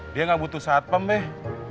dia gak butuh saat pem deh